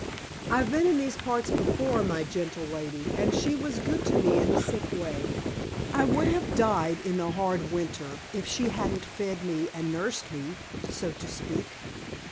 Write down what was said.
"I've been in these parts before, my gentle lady, and she was good to me in a sick way. I would have died in the hard winter if she hadn't fed me and nursed me, so to speak.